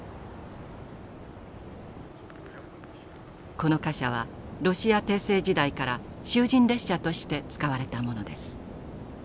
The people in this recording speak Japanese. この貨車はロシア帝政時代から囚人列車として使われたものです。